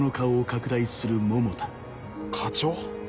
課長？